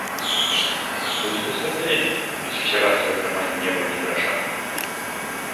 Откуда у тебя столько денег, ведь вчера в твоём кармане не было ни гроша?